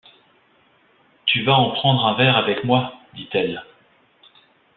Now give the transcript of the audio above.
Tu vas en prendre un verre avec moi, dit-elle.